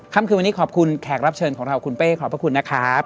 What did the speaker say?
คำคืนวันนี้ขอบคุณแขกรับเชิญของเราคุณเป้ขอบพระคุณนะครับ